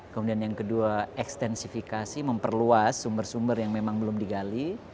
kemudian yang kedua ekstensifikasi memperluas sumber sumber yang memang belum digali